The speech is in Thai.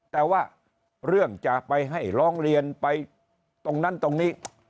แต่ว่าเรื่องจะไปให้ร้องเรียนไปตรงนั้นตรงนี้